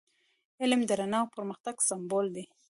علم د رڼا او پرمختګ سمبول دی.